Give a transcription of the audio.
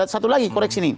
satu lagi koreksi ini